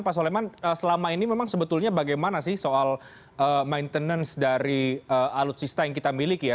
pak soleman selama ini memang sebetulnya bagaimana sih soal maintenance dari alutsista yang kita miliki ya